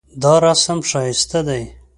دا رسم ښایسته دی